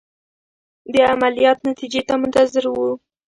د عملیات نتیجې ته منتظر وو.